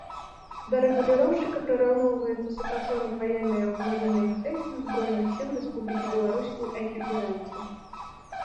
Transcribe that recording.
Да рэгуліроўшчыка прыраўноўваецца супрацоўнік Ваеннай аўтамабільнай інспекцыі Узброеных Сіл Рэспублікі Беларусь у экіпіроўцы